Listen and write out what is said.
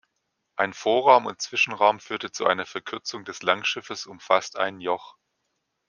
Ein Vorraum und Zwischenraum führte zu einer Verkürzung das Langschiffes um fast ein Joch.